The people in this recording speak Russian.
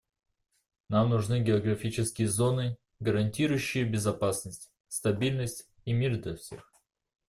Нам нужны географические зоны, гарантирующие безопасность, стабильность и мир для всех.